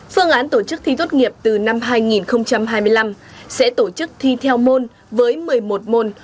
phương án tổ chức thi tốt nghiệp từ năm hai nghìn hai mươi năm sẽ tổ chức thi theo môn với một mươi một môn